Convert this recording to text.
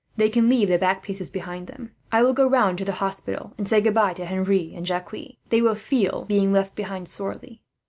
They can leave the back pieces behind them. "I will go round to the hospital, and say goodbye to Henri and Jacques. They will feel being left behind, sorely."